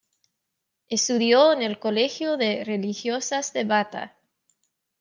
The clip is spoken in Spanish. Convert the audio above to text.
Estudió en el colegio de religiosas de Bata.